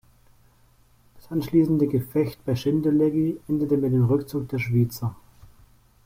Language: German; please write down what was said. Das anschliessende Gefecht bei Schindellegi endete mit dem Rückzug der Schwyzer.